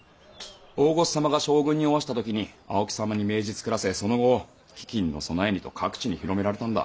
大御所様が将軍におわした時に青木様に命じ作らせその後飢饉の備えにと各地に広められたのだ。